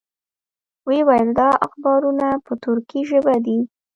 وې ویل دا اخبارونه په تُرکي ژبه دي.